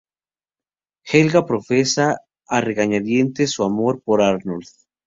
Helga profesa a regañadientes su amor por Arnold.